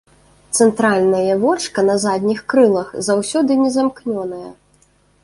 Цэнтральнае вочка на задніх крылах заўсёды не замкнёнае.